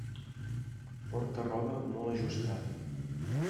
Porta roba molt ajustada.